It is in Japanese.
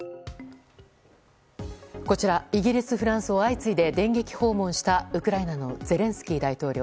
こちらイギリス、フランスを相次いで電撃訪問したウクライナのゼレンスキー大統領。